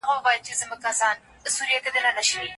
په نړۍ کي کوم شی نه بدلیږي؟